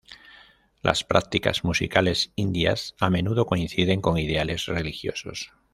Las prácticas musicales indias a menudo coinciden con ideales religiosos.